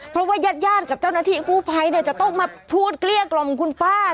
เพราะว่ายาดกับเจ้าหน้าที่กู้ภัยจะต้องมาพูดเกลี้ยกล่อมคุณป้า